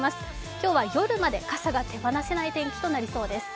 今日は夜まで傘が手放せない天気となりそうです。